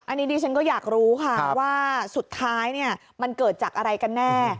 อันนี้ดิฉันก็อยากรู้ค่ะว่าสุดท้ายมันเกิดจากอะไรกันแน่